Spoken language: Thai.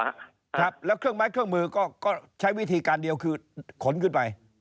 ครับแล้วเครื่องไม้เครื่องมือก็ก็ใช้วิธีการเดียวคือขนขึ้นไป